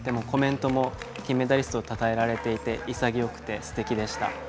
コメントも金メダリストをたたえられていて潔くて、すてきでした。